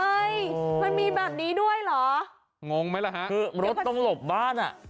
มันมีแบบนี้ด้วยเหรองงไหมล่ะฮะคือรถต้องหลบบ้านอ่ะ